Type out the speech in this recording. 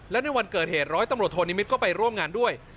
และในวันเกิดเหตุร้อยตำรวจโทนิมิตรก็ไปร่วมงานด้วย